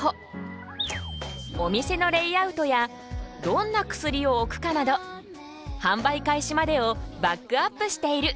お店のレイアウトやどんな薬を置くかなど販売開始までをバックアップしている。